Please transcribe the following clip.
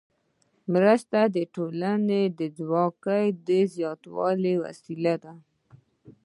مرسته د ټولنې د ځواک د زیاتوالي وسیله ده.